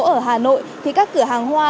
ở hà nội thì các cửa hàng hoa